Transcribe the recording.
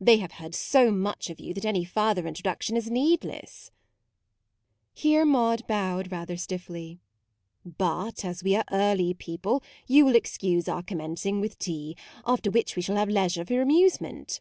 They have heard so much of you that any farther introduction is needless"; here Maude bowed rather stiffly: "but as we are early people you will excuse our commencing with tea, after which we shall have leisure for amusement."